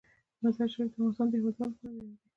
مزارشریف د افغانستان د هیوادوالو لپاره ویاړ دی.